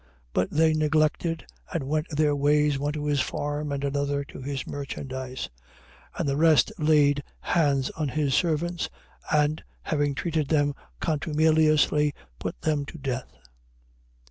22:5. But they neglected and went their ways, one to his farm and another to his merchandise. 22:6. And the rest laid hands on his servants and, having treated them contumeliously, put them to death.